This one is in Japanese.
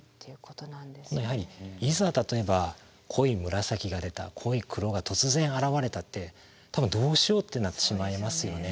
やはりいざ例えば濃い紫が出た濃い黒が突然現れたって多分どうしようってなってしまいますよね。